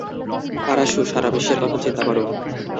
পারাসু, সারা বিশ্বের কথা চিন্তা করো।